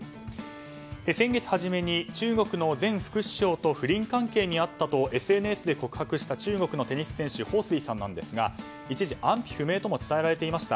先月初めに、中国の前副首相と不倫関係にあったとＳＮＳで告白した中国のテニス選手ホウ・スイさんなんですが一時安否不明とも伝えられていました。